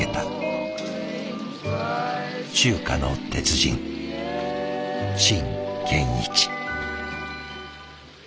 中華の鉄人陳建一。